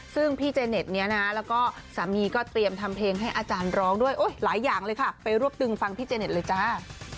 ซึ่งพี่เจเน็ตเนี่ยนะแล้วก็สามีก็เตรียมทำเพลงให้อาจารย์ร้องด้วยโอ้ยหลายอย่างเลยค่ะไปรวบตึงฟังพี่เจเน็ตเลยจ้า